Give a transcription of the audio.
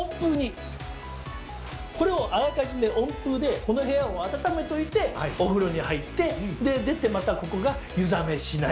これをあらかじめ温風でこの部屋を暖めておいてお風呂に入って出てまたここが湯冷めしない。